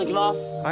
はい。